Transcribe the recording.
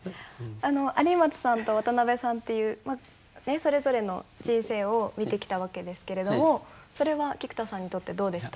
有松さんと渡さんっていうそれぞれの人生を見てきたわけですけれどもそれは菊田さんにとってどうでした？